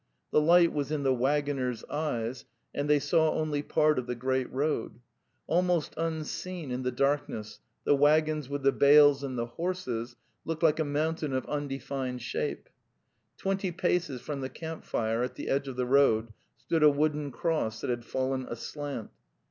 The light was in the waggoners' eyes, and they saw only part of the great road; almost unseen in the darkness the waggons with the bales and the horses looked like a mountain of undefined shape. Twenty paces from the camp fire at the edge of the road stood a wooden cross that had fallen aslant.